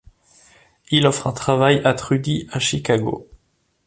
Il offre un travail à Trudy à Chicago.